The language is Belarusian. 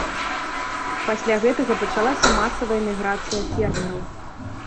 Пасля гэтага пачалася масавая міграцыя фермераў.